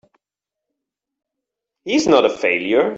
He's not a failure!